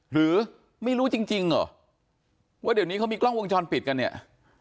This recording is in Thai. หรือไม่รู้จริงเหรอว่าเดี๋ยวนี้เขามีกล้องวงจรปิดกันเนี่ย